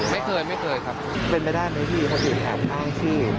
ไม่เคยไม่เคยครับเป็นไปได้ไหมพี่คนอื่นแห่งทางชีพ